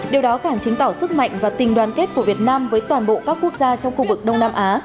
điều đó càng chứng tỏ sức mạnh và tình đoàn kết của việt nam với toàn bộ các quốc gia trong khu vực đông nam á